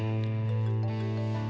ambo terima kasih